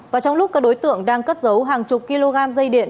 và trong lúc các đối tượng đang cất giấu hàng chục kg dây điện